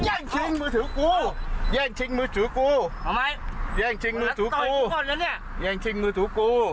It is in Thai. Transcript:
ย่างชิงมือถือกูย่างชิงมือถือกูย่างชิงมือถือกูย่างชิงมือถือกู